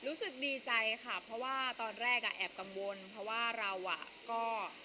รู้สึกดีใจค่ะเพราะว่าตอนแรกอ่ะแอบกังวลเพราะว่าเราอ่ะก็